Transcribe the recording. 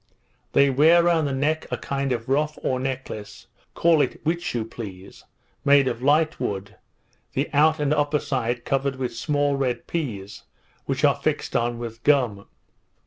They wear round the neck a kind of ruff or necklace, call it which you please, made of light wood, the out and upper side covered with small red pease, which are fixed on with gum.